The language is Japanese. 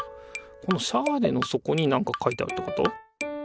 このシャーレの底になんか書いてあるってこと？